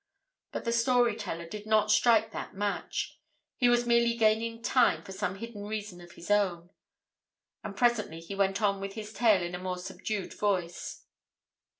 But the story teller did not strike that match. He was merely gaining time for some hidden reason of his own. And presently he went on with his tale in a more subdued voice.